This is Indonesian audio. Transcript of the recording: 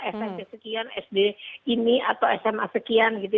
smp sekian sd ini atau sma sekian gitu